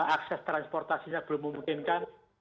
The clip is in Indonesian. akses transportasi yang belum memungkinkan